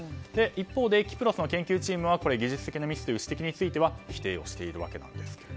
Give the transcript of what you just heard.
一方で、キプロスの研究チームは技術的なミスという指摘には否定をしているわけです。